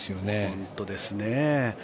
本当ですね。